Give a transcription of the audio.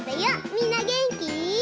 みんなげんき？